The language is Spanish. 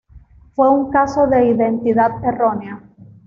Fue un caso de identidad errónea.